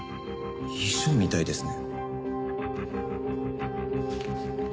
遺書みたいですね。